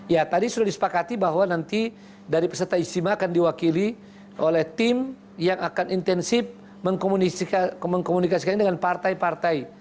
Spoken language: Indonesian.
ya tadi sudah disepakati bahwa nanti dari peserta istimewa akan diwakili oleh tim yang akan intensif mengkomunikasikannya dengan partai partai